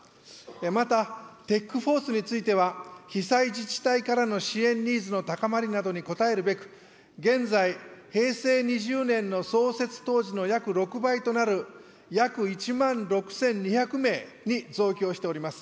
またＴＥＣーＦＯＲＣＥについては、被災自治体からの支援ニーズの高まりなどに応えるべく、現在、平成２０年の創設当時の約６倍となる、約１万６２００名に増強しております。